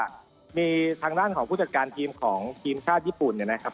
ก็มีทางด้านของผู้จัตรการทีมชาติญี่ปุ่นในนะครับ